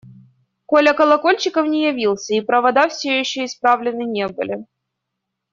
Коля Колокольчиков не явился, и провода все еще исправлены не были.